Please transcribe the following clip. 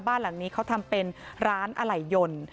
บ้านหลังนี้เขาทำเป็นร้านอะไหล่ยนต์